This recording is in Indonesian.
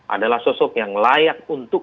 adalah sosok yang layak untuk